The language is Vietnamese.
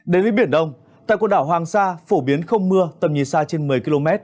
đến với biển đông tại quần đảo hoàng sa phổ biến không mưa tầm nhìn xa trên một mươi km